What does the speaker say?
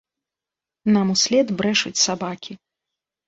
Нам услед брэшуць сабакі.